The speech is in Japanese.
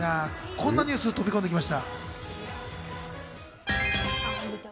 こんなニュースが飛び込んできました。